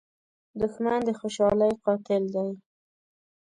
دښمن د خوشحالۍ قاتل دی